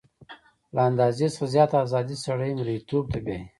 له اندازې څخه زیاته ازادي سړی مرییتوب ته بیايي.